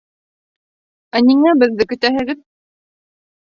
Ә ниңә беҙҙе көтәһегеҙ?